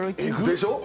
でしょ？